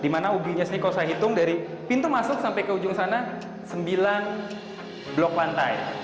kalau saya hitung dari pintu masuk sampai ke ujung sana sembilan blok lantai